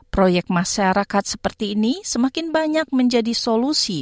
proyek masyarakat seperti ini semakin banyak menjadi solusi